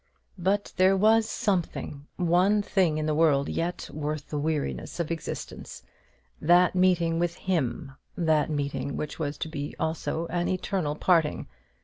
But there was something one thing in the world yet worth the weariness of existence that meeting with him that meeting which was to be also an eternal parting.